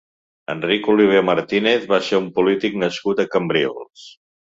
Enric Olivé Martínez va ser un polític nascut a Cambrils.